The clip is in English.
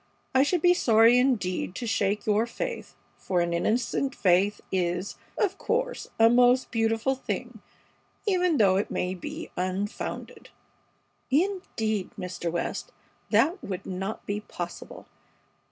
I should be sorry indeed to shake your faith, for an innocent faith is, of course, a most beautiful thing, even though it may be unfounded." "Indeed, Mr. West, that would not be possible.